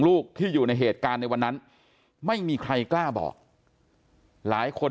ลูกที่อยู่ในเหตุการณ์ในวันนั้นไม่มีใครกล้าบอกหลายคน